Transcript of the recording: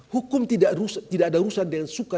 hukum tidak ada urusan dengan suka